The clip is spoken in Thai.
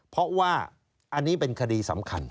เพราะว่าอันนี้เป็นคดีสำคัญ